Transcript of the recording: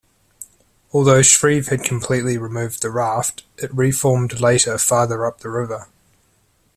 Although Shreve had completely removed the raft, it reformed later farther up the river.